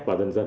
và dần dần